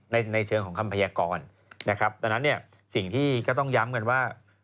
ในในเชิงของคำพยากรนะครับดังนั้นเนี่ยสิ่งที่ก็ต้องย้ำกันว่า